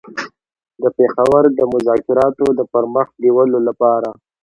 د پېښور د مذاکراتو د پر مخ بېولو لپاره.